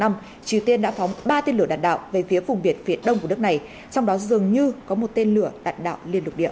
triều tiên đã phóng ba tên lửa đạn đạo về phía vùng biển phía đông của nước này trong đó dường như có một tên lửa đạn đạo liên lục địa